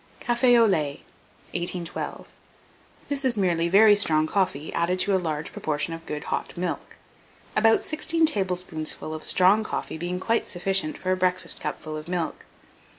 CAFE AU LAIT. 1812. This is merely very strong coffee added to a large proportion of good hot milk; about 6 tablespoonfuls of strong coffee being quite sufficient for a breakfast cupful of milk.